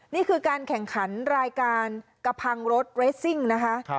นี่คือการแข่งขันรายการกระพังรถเรสซิ่งนะคะ